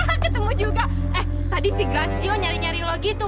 nanti ketemu juga eh tadi si gracio nyari nyari lo gitu